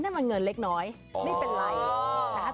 นั่นมันเงินเล็กน้อยไม่เป็นไรนะครับ